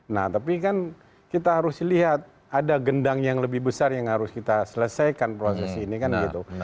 nah tapi kan kita harus lihat ada gendang yang lebih besar yang harus kita selesaikan proses ini kan gitu